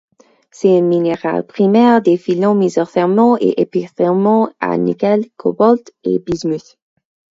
C'est un minéral primaire des filons mésothermaux et épithermaux à nickel, cobalt et bismuth.